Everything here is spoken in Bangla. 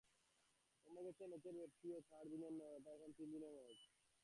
কমে গেছে ম্যাচের ব্যাপ্তিও, চার দিনের নয়, ওটা এখন তিন দিনের ম্যাচ।